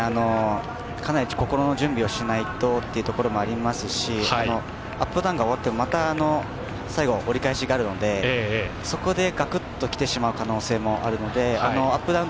かなり心の準備をしないとというところもありますしアップダウンが終わってもまた最後、折り返しがあるのでそこで、ガクッときてしまう可能性もあるのでアップ